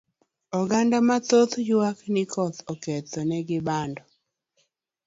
Oganda ma thoth ywak ni koth oketho ne gi bando